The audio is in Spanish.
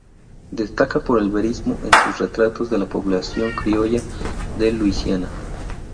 Destaca por el verismo en sus retratos de la población criolla de Louisiana.